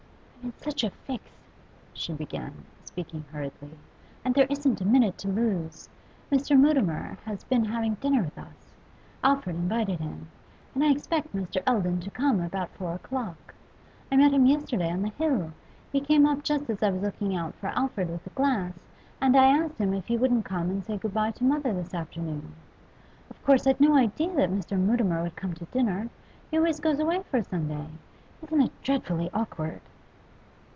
'I'm in such a fix,' she began, speaking hurriedly, 'and there isn't a minute to lose. Mr. Mutimer has been having dinner with us; Alfred invited him. And I expect Mr. Eldon to come about four o'clock. I met him yesterday on the Hill; he came up just as I was looking out for Alfred with the glass, and I asked him if he wouldn't come and say good bye to mother this afternoon. Of course I'd no idea that Mr. Mutimer would come to dinner; he always goes away for Sunday. Isn't it dreadfully awkward?